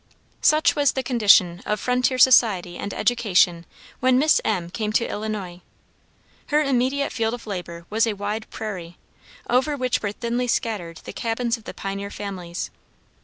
Such was the condition of frontier society and education when Miss M. came to Illinois. Her immediate field of labor was a wide prairie, over which were thinly scattered the cabins of the pioneer families.